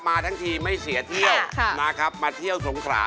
มาทั้งทีไม่เสียเที่ยวมาเที่ยวสองขลา